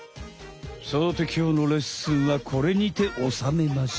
さてきょうのレッスンはこれにておさめましょう。